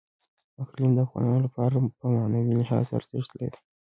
اقلیم د افغانانو لپاره په معنوي لحاظ ارزښت لري.